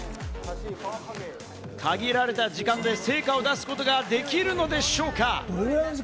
限られた時間で成果を出すことができるのでしょうか？